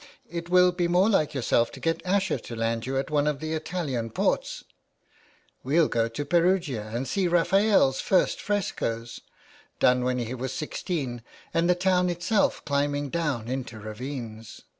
" It will be more like yourself to get Asher to land you at one of the Italian ports. We'll go to 397 THE WAY BACK. Perugia and see Raphael's first frescoes, done when he was sixteen, and the town itself climbing down into ravines.